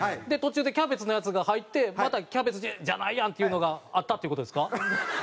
で途中でキャベツのやつが入ってまたキャベツじゃないやん！っていうのがあったっていう事ですか？